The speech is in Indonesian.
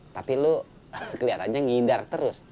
tapi lu kelihatannya ngindar terus